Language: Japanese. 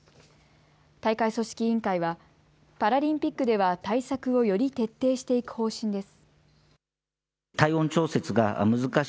大会組織委員会はパラリンピックでは対策をより徹底していく方針です。